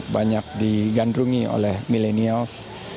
banyak digandrungi oleh millenials